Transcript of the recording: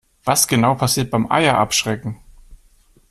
Was genau passiert beim Eier abschrecken?